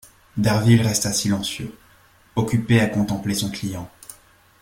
Derville resta silencieux, occupé à contempler son client.